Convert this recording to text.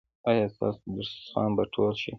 ایا ستاسو دسترخوان به ټول شي؟